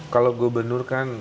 kalau gubernur kan